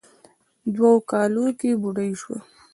دوو کالو کې بوډۍ سوه.